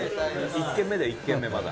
１軒目だよ、１軒目、まだ。